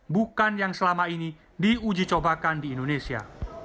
bukan yang selama ini diuji cobakan di indonesia